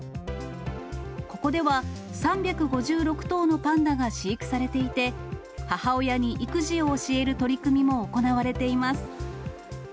ここでは、３５６頭のパンダが飼育されていて、母親に育児を教える取り組みも行われています。